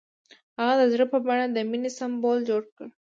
هغه د زړه په بڼه د مینې سمبول جوړ کړ.